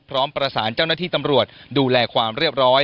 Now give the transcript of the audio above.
พร้อมประสานเจ้าหน้าที่ตำรวจดูแลความเรียบร้อย